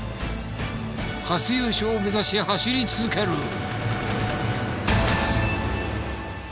初優勝を目指し走り続ける！